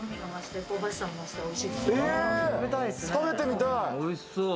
食べてみたい。